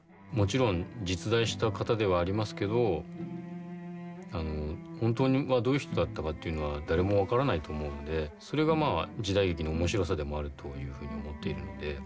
もちろん実在した方ではありますけど本当はどういう人だったかっていうのは誰も分からないと思うんでそれがまあ時代劇の面白さでもあるというふうに思っているんで